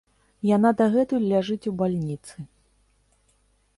Яна дагэтуль ляжыць у бальніцы.